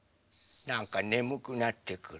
なんかねむくなってくる。